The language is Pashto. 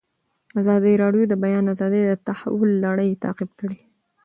ازادي راډیو د د بیان آزادي د تحول لړۍ تعقیب کړې.